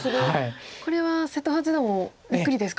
これは瀬戸八段もびっくりですか？